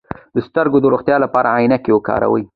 د سترګو د روغتیا لپاره عینکې وکاروئ